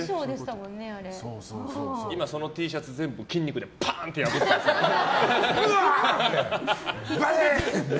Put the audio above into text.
今、そのＴシャツ全部筋肉でパーンって破れるんじゃないの。